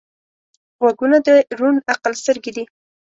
غوږونه د روڼ عقل سترګې دي